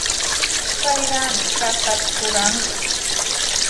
Chayraqmi chakata rurayanqa.